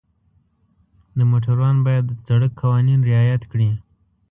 د موټروان باید د سړک قوانین رعایت کړي.